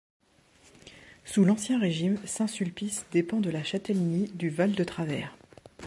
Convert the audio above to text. Sous l'Ancien Régime, Saint-Sulpice dépend de la châtellenie du Val-de-Travers.